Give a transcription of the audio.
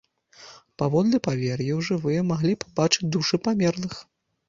Паводле павер'яў, жывыя маглі пабачыць душы памерлых.